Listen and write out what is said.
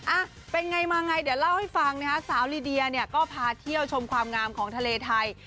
อ่ะเป็นไงมาไงเดี๋ยวเล่าให้ฟังนะคะสาวลีเดียเนี่ยก็พาเที่ยวชมความงามของทะเลไทย